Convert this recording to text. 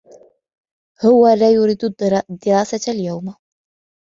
هو لا يريد الدراسة اليوم.